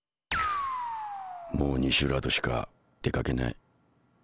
もう西浦としか出かけない。